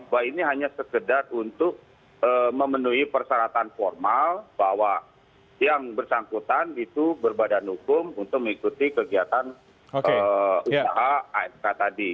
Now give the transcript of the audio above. bahwa ini hanya sekedar untuk memenuhi persyaratan formal bahwa yang bersangkutan itu berbadan hukum untuk mengikuti kegiatan usaha amk tadi